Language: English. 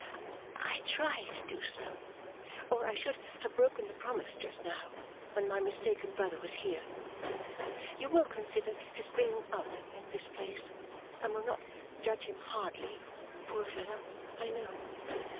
'I try to do so, or I should have broken the promise just now, when my mistaken brother was here. You will consider his bringing up in this place, and will not judge him hardly, poor fellow, I know!